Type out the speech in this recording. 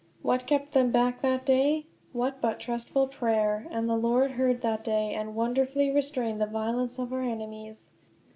What kept them back that day? What but trustful prayer! And the Lord heard that day, and wonderfully restrained the violence of our enemies.